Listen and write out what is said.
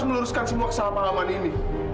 meluruskan semua kesalahpahaman ini